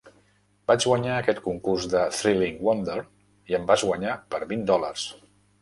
Vaig guanyar aquest concurs de "Thrilling Wonder", i em vas guanyar per vint dòlars.